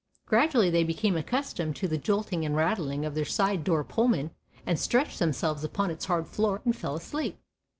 Gradually they became accustomed to the jolting and rattling of their side door Pullman and stretched themselves upon its hard floor and fell asleep.